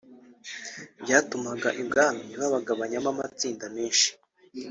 byatumaga ibwami babagabanyamo amatsinda menshi